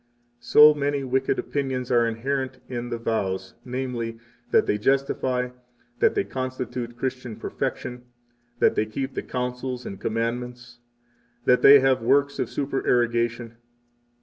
61 So many wicked opinions are inherent in the vows, namely, that they justify, that they constitute Christian perfection, that they keep the counsels and commandments, that they have works of supererogation.